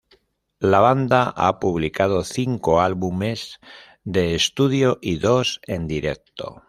La banda ha publicado cinco álbumes de estudio y dos en directo.